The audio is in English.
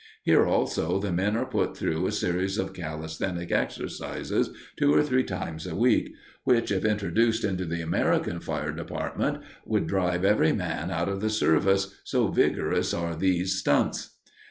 Here also the men are put through a series of calisthenic exercises two or three times a week, which, if introduced into the American fire departments, would drive every man out of the service, so vigorous are these "stunts."